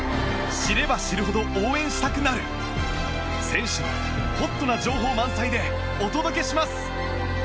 知れば知るほど応援したくなる選手のホットな情報満載でお届けします！